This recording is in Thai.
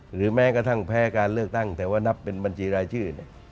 หรือแม้กระทั่งแพ้การเลือกตั้งแต่ว่านับเป็นบัญชีรายชื่อ